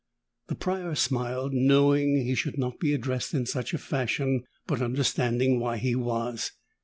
The Prior smiled, knowing that he should not be addressed in such a fashion but understanding why he was.